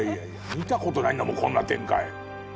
見たことないんだもんこんな展開。